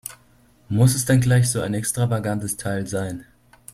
Muss es denn gleich so ein extravagantes Teil sein?